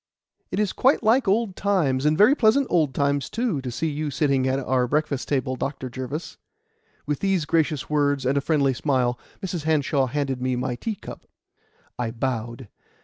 "It is quite like old times and very pleasant old times, too to see you sitting at our breakfast table, Dr. Jervis." With these gracious words and a friendly smile, Mrs. Hanshaw handed me my tea cup. I bowed.